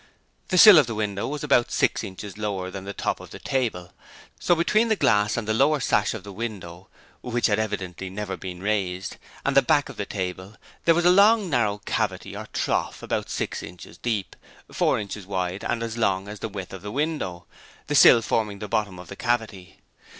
The sill of the window was about six inches lower than the top of the table, so that between the glass of the lower sash of the window, which had evidently never been raised, and the back of the table, there was a long narrow cavity or trough, about six inches deep, four inches wide and as long as the width of the window, the sill forming the bottom of the cavity.